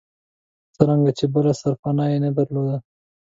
څرنګه چې بله سرپناه یې نه درلوده.